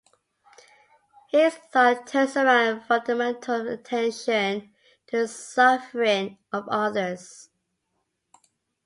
His thought turns around fundamental attention to the suffering of others.